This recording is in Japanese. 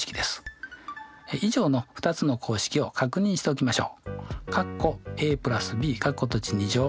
以上の２つの公式を確認しておきましょう。